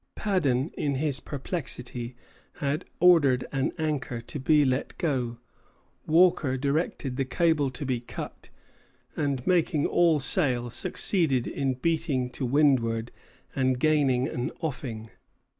Paddon, in his perplexity, had ordered an anchor to be let go; Walker directed the cable to be cut, and, making all sail, succeeded in beating to windward and gaining an offing.